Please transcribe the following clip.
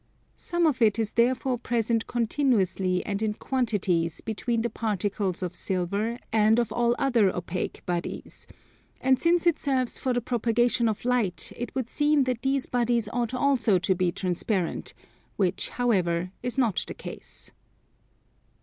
Some of it is therefore present continuously and in quantities between the particles of silver and of all other opaque bodies: and since it serves for the propagation of light it would seem that these bodies ought also to be transparent, which however is not the case.